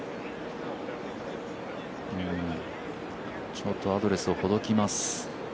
ちょっとアドレスをほどきます。